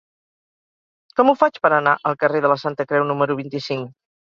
Com ho faig per anar al carrer de la Santa Creu número vint-i-cinc?